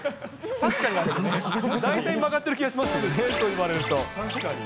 確かに、大体曲がってる気がします、そう言われると。